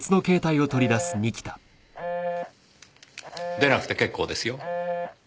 出なくて結構ですよ。